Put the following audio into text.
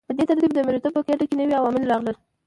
په دې ترتیب د مرئیتوب په ګیډه کې نوي عوامل راغلل.